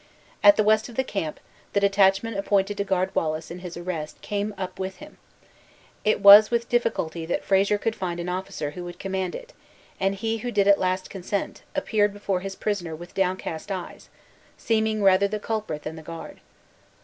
At the west of the camp, the detachment appointed to guard Wallace in his arrest came up with him. It was with difficulty that Fraser could find an officer who would command it; and he who did at last consent, appeared before his prisoner with downcast eyes; seeming rather the culprit than the guard.